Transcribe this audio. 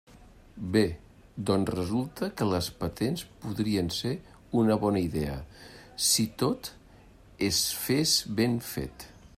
Bé, doncs resulta que les patents podrien ser una bona idea, si tot es fes ben fet.